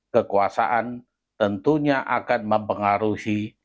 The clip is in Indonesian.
kekuasaan tentunya akan mempengaruhi